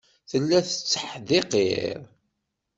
Tella tetteḥdiqir.